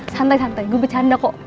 santai santai gue bercanda kok